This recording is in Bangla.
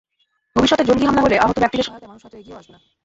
ভবিষ্যতে জঙ্গি হামলা হলে আহত ব্যক্তিদের সহায়তায় মানুষ হয়তো এগিয়েও যাবে না।